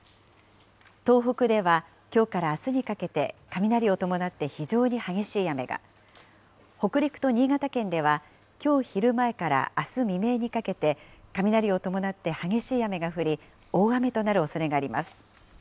東北ではきょうからあすにかけて雷を伴って非常に激しい雨が、北陸と新潟県ではきょう昼前からあす未明にかけて、雷を伴って激しい雨が降り、大雨となるおそれがあります。